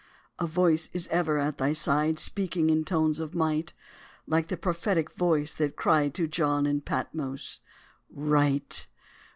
A voice is ever at thy side Speaking in tones of might, Like the prophetic voice, that cried To John in Patmos, "Write!"